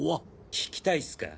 聞きたいっスか？